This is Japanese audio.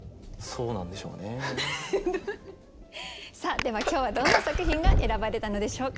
では今日はどんな作品が選ばれたのでしょうか？